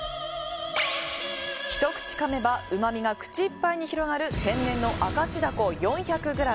ひと口かめばうまみが口いっぱいに広がる天然の明石だこ４００ｇ。